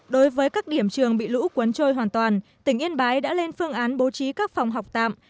đối với các điểm trường bị lũ cuốn trôi hoàn toàn tỉnh yên bái đã lên phương án bố trí các phòng học tạm